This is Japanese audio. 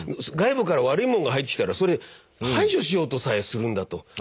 外部から悪いもんが入ってきたらそれ排除しようとさえするんだと。